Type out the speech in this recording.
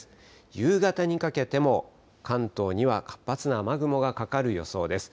夕方にかけても関東には活発な雨雲がかかる予想です。